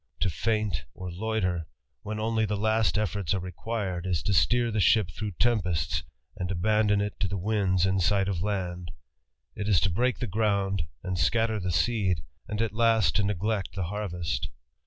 To faint or loiter, when only the last efforts «"e required, is to steer the ship through tempests, and •bandon it to the winds in sight of land : it is to break the ^ound and scatter the seed, and at last to neglect the harvest 14 210 THE RAMBLER.